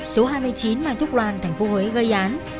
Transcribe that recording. số hai mươi chín mai thúc loan tp hcm gây án